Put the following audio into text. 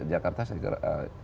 jakarta saya kira